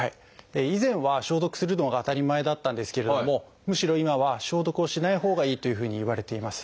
以前は消毒するのが当たり前だったんですけれどもむしろ今は消毒をしないほうがいいというふうにいわれています。